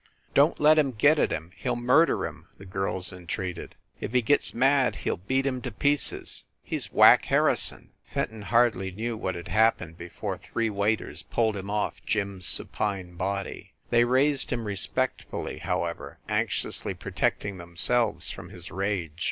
"Don t let him get at him! He ll murder him!" the girls entreated. "If he gets mad, he ll beat him to pieces! He s Whack Harrison!" Fenton hardly knew what had happened before three waiters pulled him off Jim s supine body. They raised him respectfully, however, anxiously protecting themselves from his rage.